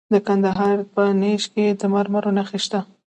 د کندهار په نیش کې د مرمرو نښې شته.